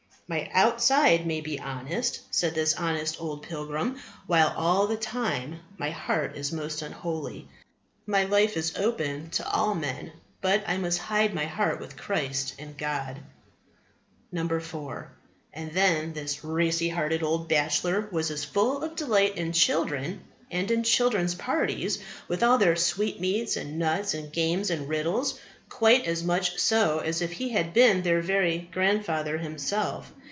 "My outside may be honest," said this honest old pilgrim, "while all the time my heart is most unholy. My life is open to all men, but I must hide my heart with Christ in God." 4. And then this racy hearted old bachelor was as full of delight in children, and in children's parties, with all their sweetmeats and nuts and games and riddles, quite as much so as if he had been their very grandfather himself.